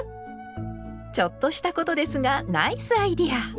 ちょっとしたことですがナイスアイデア！